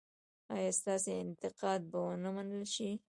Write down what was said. ایا ستاسو انتقاد به و نه منل شي؟